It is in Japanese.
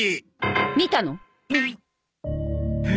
見たの？